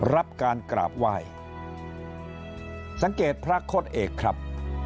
รับการกราบไหว้สังเกตพระโคตรเอกครับ